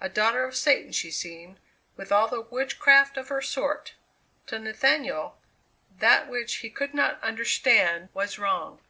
A daughter of Satan she seemed, with all the witchcraft of her sort." To Nathaniel, that which he could not understand, was wrong.